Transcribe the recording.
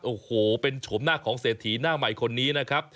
โอ้โหเป็นโฉมหน้าของเศรษฐีหน้าใหม่คนนี้นะครับ